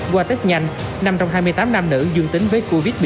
qua test nhanh năm trăm hai mươi tám nam nữ dương tính với covid một mươi chín